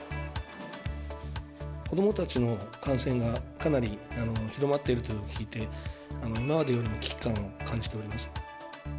子どもたちの感染がかなり広まっているというのを聞いて、今までよりも危機感を感じております。